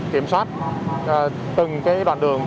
kiểm soát từng đoạn đường